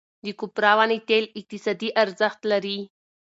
د کوپره ونې تېل اقتصادي ارزښت لري.